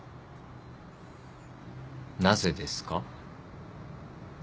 なぜですか？